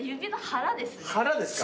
腹ですか。